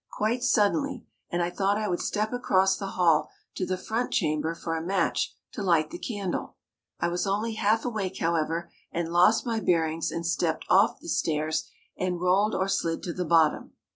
quite suddenly and I thought I would step across the hall to the front chamber for a match to light the candle. I was only half awake, however, and lost my bearings and stepped off the stairs and rolled or slid to the bottom.